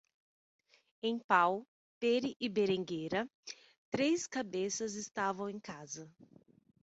Em Pau, Pere e Berenguera, três cabeças estavam em casa.